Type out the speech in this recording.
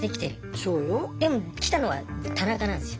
そうよ。でも来たのは田中なんですよ。